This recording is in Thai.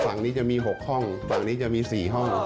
ตรงนี้จะมี๖ห้องตรงนี้จะมีสี่ห้อง